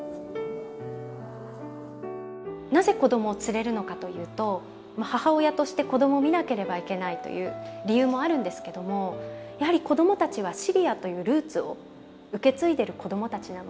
なぜ子供を連れるのかというと母親として子供を見なければいけないという理由もあるんですけどもやはり子供たちはシリアというルーツを受け継いでる子供たちなので。